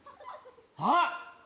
あっ！